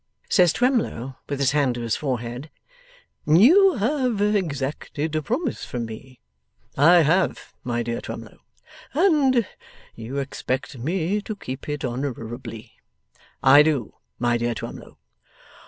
Says Twemlow, with his hand to his forehead, 'You have exacted a promise from me.' 'I have, my dear Twemlow.' 'And you expect me to keep it honourably.' 'I do, my dear Twemlow.